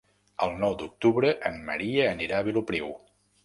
El nou d'octubre en Maria anirà a Vilopriu.